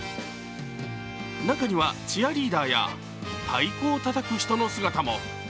中には、チアリーダーや太鼓をたたく人の姿も。